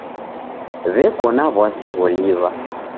W'eko na w'asi gholiw'a.